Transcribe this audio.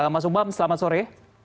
mas umam selamat sore